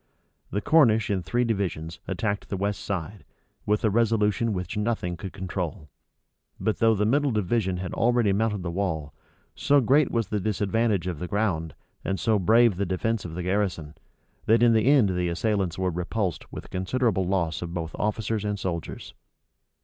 The Cornish in three divisions attacked the west side, with a resolution which nothing could control; but though the middle division had already mounted the wall, so great was the disadvantage of the ground, and so brave the defence of the garrison, that in the end the assailants were repulsed with a considerable loss both of officers and soldiers.